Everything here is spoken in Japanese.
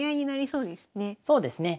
そうですね。